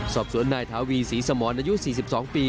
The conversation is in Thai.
สอบสวนนายถาวีศรีสมรอายุ๔๒ปี